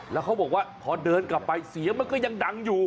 แล้วเขาบอกว่าพอเดินกลับไปเสียงมันก็ยังดังอยู่